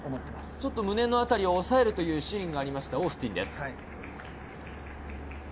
ちょっと胸の辺りを押さえるシーンもありました、オースティンです。